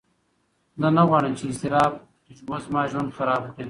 زه نه غواړم چې اضطراب زما ژوند خراب کړي.